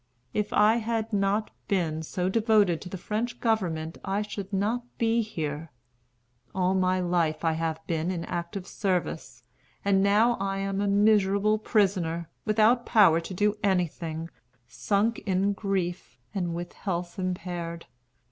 If I had not been so devoted to the French government I should not be here. All my life I have been in active service, and now I am a miserable prisoner, without power to do anything, sunk in grief, and with health impaired.